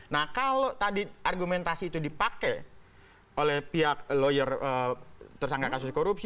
nah kalau tadi argumentasi itu dipakai oleh pihak lawyer tersangka kasus korupsi